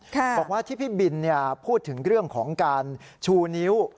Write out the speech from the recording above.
บอกว่าที่พี่บินพูดถึงเรื่องของการชูนิ้ว